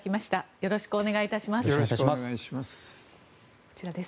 よろしくお願いします。